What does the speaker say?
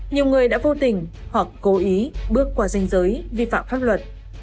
nhiều người đã vô tình hoặc cố ý bước qua danh giới vi phạm pháp luật